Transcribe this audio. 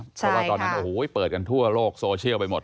เพราะว่าตอนนั้นโอ้โหเปิดกันทั่วโลกโซเชียลไปหมด